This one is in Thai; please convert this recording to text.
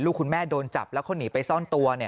คุณแม่โดนจับแล้วเขาหนีไปซ่อนตัว